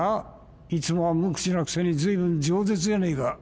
いつもは無口なくせに随分じょう舌じゃねえか。